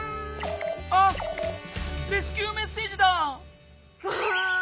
あレスキューメッセージだ！ガーン！